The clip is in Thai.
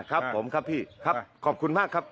กลายเป็นประเพณีที่สืบทอดมาอย่างยาวนาน